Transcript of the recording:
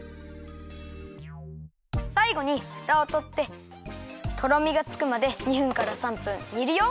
さいごにふたをとってとろみがつくまで２分から３分にるよ！